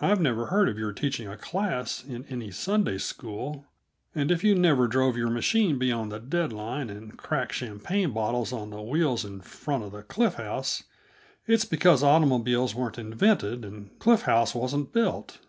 I've never heard of your teaching a class in any Sunday school, and if you never drove your machine beyond the dead line and cracked champagne bottles on the wheels in front of the Cliff House, it's because automobiles weren't invented and Cliff House wasn't built.